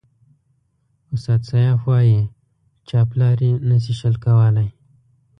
استاد سياف وایي چاپلاري نشي شل کولای.